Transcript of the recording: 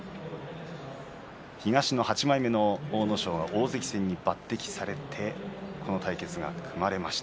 東の８枚目の阿武咲は大関戦に抜てきされてこの対決が組まれました。